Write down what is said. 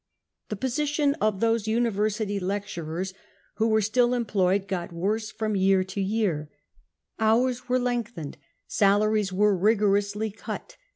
The position of those university lecturers who were still employed got worse from year to year, flours were lengthened. Salaries were rigorously cut.